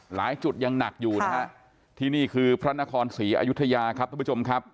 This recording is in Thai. หลายจุดยังหนักอยู่นะฮะที่นี่คือพระนครศรีอยุธยาครับทุกผู้ชมครับ